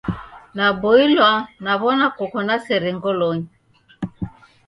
Naboilwa naw'ona koko na sere ngolonyi